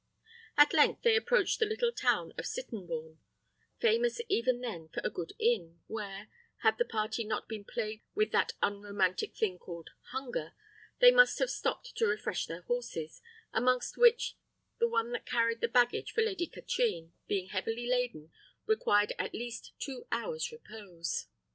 At length they approached the little town of Sittenbourne, famous even then for a good inn, where, had the party not been plagued with that unromantic thing called hunger, they must have stopped to refresh their horses, amongst which the one that carried the baggage of Lady Katrine, being heavily laden, required at least two hours' repose.